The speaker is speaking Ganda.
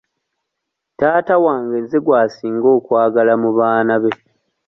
Taata wange nze gw'asinga okwagala mu baana be.